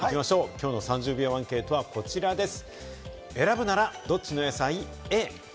きょうの３０秒アンケートは、こちらです。